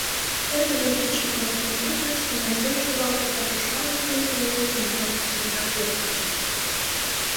Эргыжын кидшым руалтен кучыш, кынелтен шогалтыш да тошкалтыш дене ӱлыкӧ нумалме семынак волтыш.